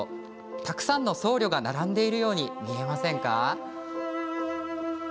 たくさんの僧侶が並んでいるように見えませんか？